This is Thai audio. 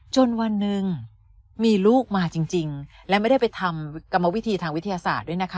วันหนึ่งมีลูกมาจริงและไม่ได้ไปทำกรรมวิธีทางวิทยาศาสตร์ด้วยนะคะ